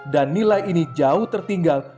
dan nilai ini jauh tertinggal